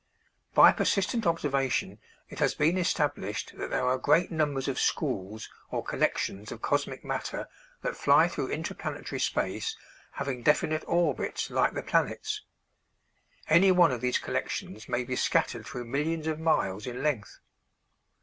By persistent observation it has been established that there are great numbers of schools or collections of cosmic matter that fly through interplanetary space, having definite orbits like the planets. Any one of these collections may be scattered through millions of miles in length.